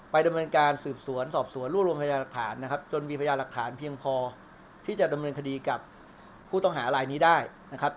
ดำเนินการสืบสวนสอบสวนรวบรวมพยาหลักฐานนะครับจนมีพยาหลักฐานเพียงพอที่จะดำเนินคดีกับผู้ต้องหาลายนี้ได้นะครับ